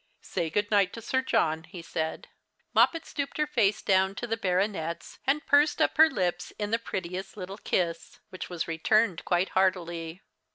" Say good night to Sir John," he said. Moj)pet stooped her face down to the baronet's, and pursed up her red lips in the prettiest little kiss, which was returned quite heartily.